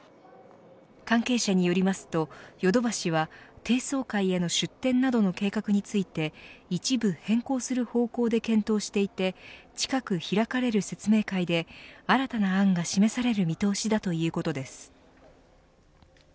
関係者によりますとヨドバシは低層階への出店などの計画について一部変更する方向で検討していて近く開かれる説明会で新たな案が示される見通しだということです。